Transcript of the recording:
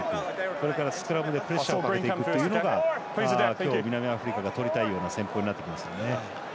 それからスクラムでプレッシャーをかけていくというのが今日、南アフリカがとりたいような戦法になってきますね。